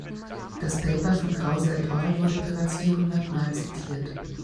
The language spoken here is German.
Das Paper von Krause et al. wurde bereits vierhundertmal zitiert.